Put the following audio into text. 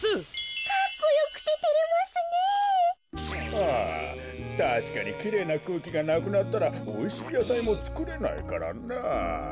ああたしかにきれいなくうきがなくなったらおいしいやさいもつくれないからなあ。